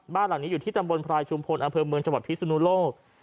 บ้านหลังนี้อยู่ที่ตำบลพรายชุมพลอำเภอเมืองจังหวัดพิศนุโลก